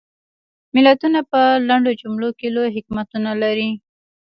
متلونه په لنډو جملو کې لوی حکمتونه لري